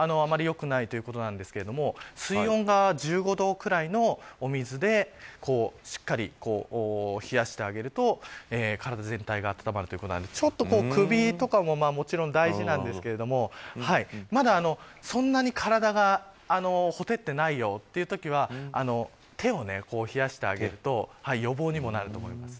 冷やし過ぎてしまうとあまり良くないということなんですが水温が１５度くらいの水でしっかり冷やしてあげると体全体が温まるということなのでちょっと首とかももちろん大事なんですがまだそんなに体がほてってないよというときは手を冷やしてあげると予防にもなると思います。